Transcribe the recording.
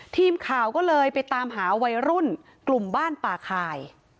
ทีมข่าวก็เลยไปตามหาวัยรุ่นกลุ่มบ้านป่าคาย